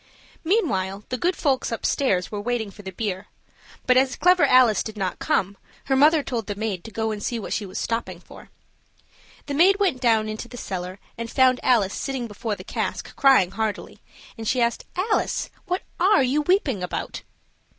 Meanwhile the good folks upstairs were waiting for the beer, but as Clever Alice did not come, her mother told the maid to go and see what she was stopping for. The maid went down into the cellar and found Alice sitting before the cask crying heartily, and she asked, "Alice, what are you weeping about?"